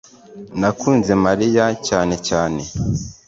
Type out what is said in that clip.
nakunze mariya cyane cyane